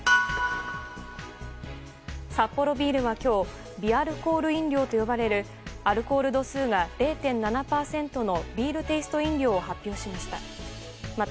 サッポロビールは今日微アルコール飲料と呼ばれるアルコール度数が０．７％のビールテイスト飲料を発表しました。